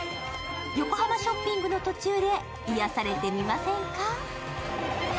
横浜ショッピングの途中で癒やされてみませんか？